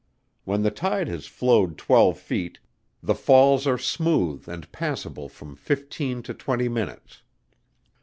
When the tide has flowed twelve feet, the falls are smooth and passable from fifteen to twenty minutes.